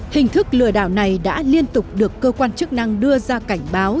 hình thức lừa đảo này đã liên tục được cơ quan chức năng đưa ra cảnh báo